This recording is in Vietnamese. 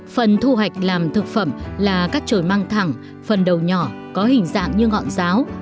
phần thu hoạch làm thực phẩm là các trồi măng thẳng phần đầu nhỏ có hình dạng như ngọn giáo